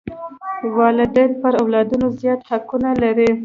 والدین پر اولادونو زیات حقوق لري.